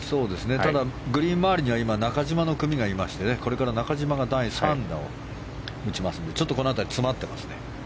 ただ、グリーン周りには中島の組がいましてこれから中島が第３打を打ちますのでちょっとこの辺り、詰まっていますね。